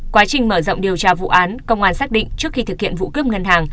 quá trình mở rộng điều tra vụ án công an xác định trước khi thực hiện vụ cướp ngân hàng